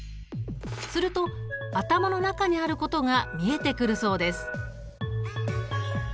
すると頭の中にあることが見えてくるそうです。